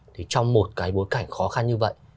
thì trong một cái bối cảnh khó khăn như vậy